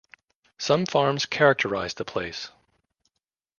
Some farms characterize the place.